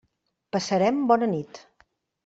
Passarem bona nit.